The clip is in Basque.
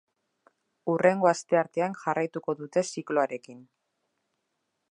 Hurrengo asteartean jarraituko dute zikloarekin.